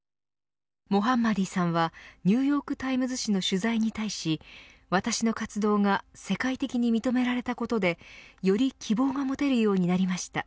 モハンマディさんはニューヨーク・タイムズ紙の取材に対し私の活動が世界的に認められたことでより希望が持てるようになりました。